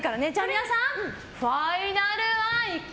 皆さん、ファイナル愛花？